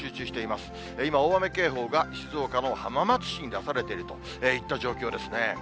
今、大雨警報が静岡の浜松市に出されてるといった状況ですね。